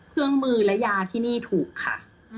เครื่องมือและยาที่นี่ถูกค่ะ